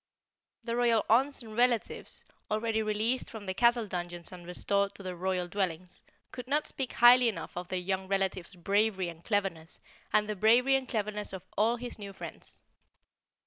The royal aunts and relatives, already released from the castle dungeons and restored to their royal dwellings, could not speak highly enough of their young relative's bravery and cleverness and the bravery and cleverness of all of his new friends.